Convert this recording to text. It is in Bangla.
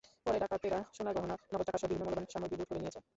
পরে ডাকাতেরা সোনার গয়না, নগদ টাকাসহ বিভিন্ন মূল্যবান সামগ্রী লুট করে নিয়ে যায়।